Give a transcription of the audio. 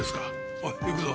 おい行くぞ。